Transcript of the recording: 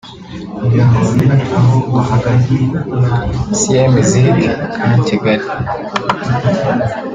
-Cie Musique (Camp Kigali)